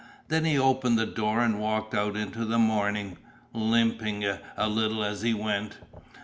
Then he opened the door and walked out into the morning, limping a little as he went.